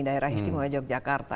daerah istimewa yogyakarta